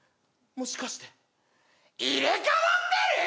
もしかして入れ代わってる！？